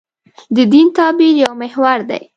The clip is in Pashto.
د دین تعبیر یو محور دی.